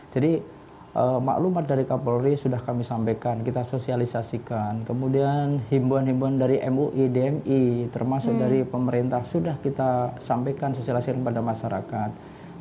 jadi maklumat dari kapolri sudah kami sampaikan kita sosialisasikan kemudian himbuan himbuan dari mui dmi termasuk dari pemerintah sudah kita sampaikan sosialisasikan kepada masyarakat